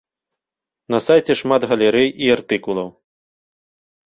На сайце шмат галерэй і артыкулаў.